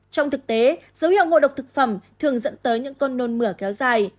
trong thực tế dấu hiệu ngộ độc thực phẩm thường dẫn tới những cơn nôn mửa kéo dài